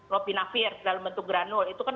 lopinavir dalam bentuk granul itu kan